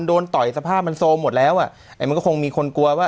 ต่อยสภาพมันโซมหมดแล้วอ่ะไอ้มันก็คงมีคนกลัวว่า